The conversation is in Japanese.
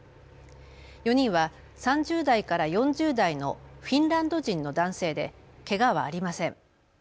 ４人は３０代から４０代のフィンランド人の男性でけがはありません。